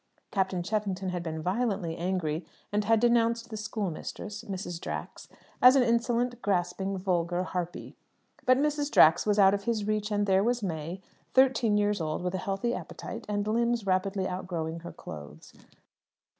Captain Cheffington had been violently angry, and had denounced the schoolmistress Mrs. Drax as an insolent, grasping, vulgar harpy. But Mrs. Drax was out of his reach, and there was May, thirteen years old, with a healthy appetite, and limbs rapidly outgrowing her clothes.